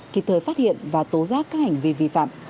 kịp thời phát hiện và tố giác các hành vi vi phạm